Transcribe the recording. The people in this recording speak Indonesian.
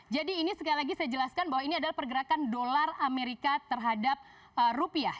jadi ini sekali lagi saya jelaskan bahwa ini adalah pergerakan dolar amerika terhadap rupiah